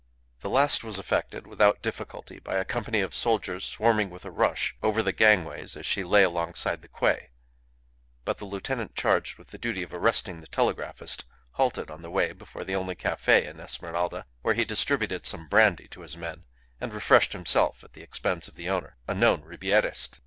The last was effected without difficulty by a company of soldiers swarming with a rush over the gangways as she lay alongside the quay; but the lieutenant charged with the duty of arresting the telegraphist halted on the way before the only cafe in Esmeralda, where he distributed some brandy to his men, and refreshed himself at the expense of the owner, a known Ribierist.